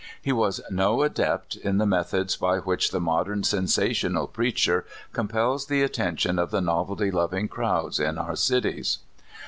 He was no adept in the methods by which the modern sensational preacher compels the attention of the novelty loving crow r ds in our cities.